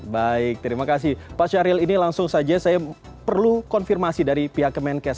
baik terima kasih pak syahril ini langsung saja saya perlu konfirmasi dari pihak kemenkes